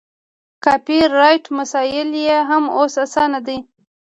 کاپي رایټ مسایل یې هم اوس اسانه دي.